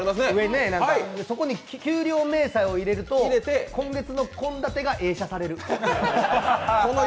そこに給料明細を入れると今月の献立が映写される。